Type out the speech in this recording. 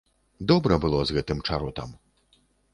Добра было з гэтым чаротам.